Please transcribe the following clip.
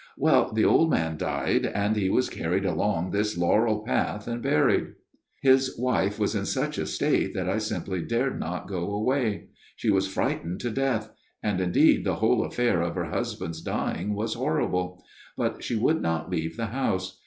" Well the old man died ; and he was carried along this laurel path, and buried. 240 A MIRROR OF SHALOTT " His wife was in such a state that I simply dared not go away. She was frightened to death ; and, indeed, the whole affair of her husband's dying was horrible. But she would not leave the house.